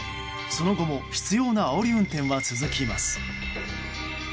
その後も執拗なあおり運転は続きます。